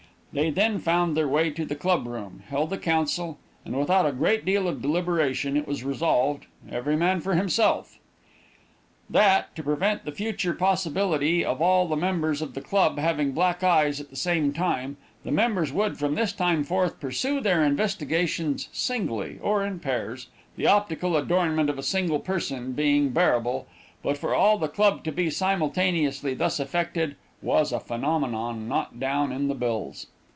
They then found their way to the club room, held a council, and without a great deal of deliberation, it was resolved, every man for himself: That, to prevent the future possibility of all the members of the club having black eyes at the same time, the members would, from this time forth, pursue their investigations singly, or in pairs the optical adornment of a single person being bearable, but for all the club to be simultaneously thus affected, was a phenomenon not down in the bills.